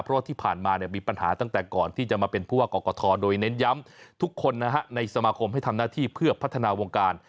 เพราะว่าที่ผ่านมามีปัญหาตั้งแต่ก่อนที่จะมาเป็นผู้ว่ากรกฐโดยเน้นย้ำทุกคนในสมาคมให้ทำหน้าที่เพื่อพัฒนาวงการ